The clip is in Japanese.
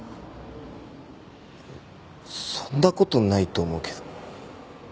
そんな事ないと思うけど。